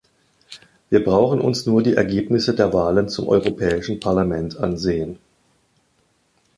Wir brauchen uns nur die Ergebnisse der Wahlen zum Europäischen Parlament ansehen.